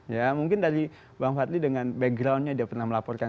ya mungkin tadi bang fadli dengan backgroundnya dia pernah melaporkan